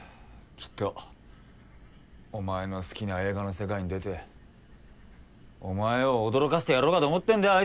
きっとお前の好きな映画の世界に出てお前を驚かしてやろうかと思ってんだよ